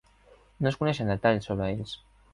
No es coneixen detalls sobre ells.